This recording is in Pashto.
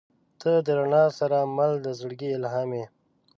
• ته د رڼا سره مل د زړګي الهام یې.